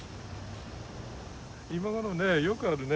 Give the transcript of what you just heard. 今頃ねよくあるね。